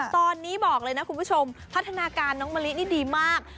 ตอนนี้บอกเลยนะคุณผู้ชมพัฒนาการน้องมะลินี่ดีมาก